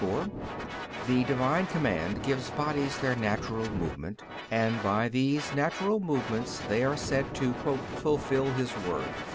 4: The Divine command gives bodies their natural movement and by these natural movements they are said to "fulfill His word."